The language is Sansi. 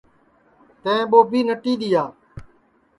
تیں ٻوبی نٹی دؔیا